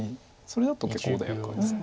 それだと結構穏やかです。